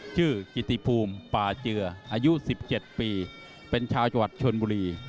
ชื่อกิติพุมปาเจืออายุ๑๗ปีเป็นชาวจัวร์จวัดชนบุรี